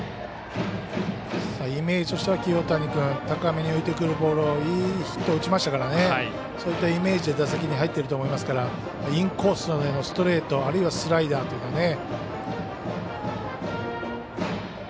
イメージとしては清谷君高めに浮いてくるボールをいいヒット打ちましたからそういったイメージで打席に入っていると思うのでインコースのストレートあるいはスライダーというのが。